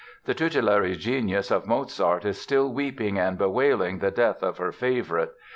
The tutelary genius of Mozart is still weeping and bewailing the death of her favorite.